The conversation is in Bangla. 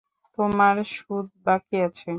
তোমার সুদ বাকি আছে।